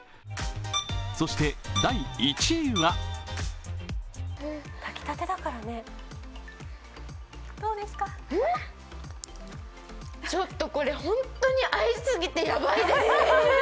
そして第１位はちょっとこれ、ホントに合いすぎてやばいです。